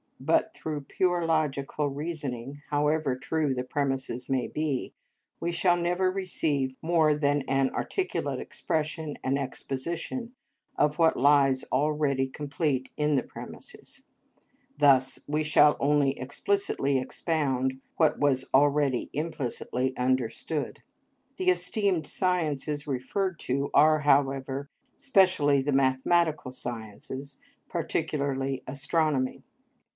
But through pure logical reasoning, however true the premises may be, we shall never receive more than an articulate expression and exposition of what lies already complete in the premises; thus we shall only explicitly expound what was already implicitly understood. The esteemed sciences referred to are, however, specially the mathematical sciences, particularly astronomy.